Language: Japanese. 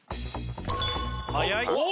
早い！